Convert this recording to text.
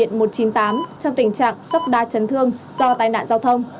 tìm ra những bệnh nhân bị gây ra tình trạng sóc đa chấn thương do tai nạn giao thông